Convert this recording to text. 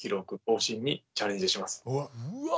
うわ！